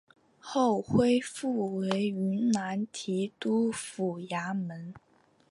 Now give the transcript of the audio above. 后恢复为云南提督府衙门。